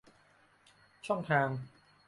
ช่องทาง